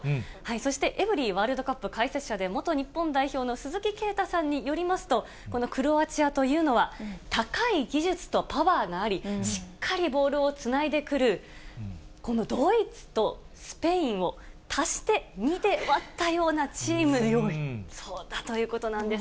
そしてエブリィワールドカップ解説者で、元日本代表の鈴木啓太さんによりますと、このクロアチアというのは、高い技術とパワーがあり、しっかりボールをつないでくる、このドイツとスペインを足して２で割ったようなチームだということなんです。